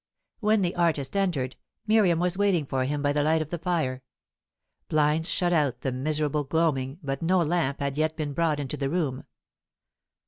When the artist entered, Miriam was waiting for him by the light of the fire; blinds shut out the miserable gloaming, but no lamp had yet been brought into the room.